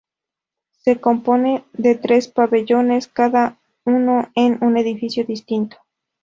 Se compone de tres pabellones, cada uno en un edificio distinto.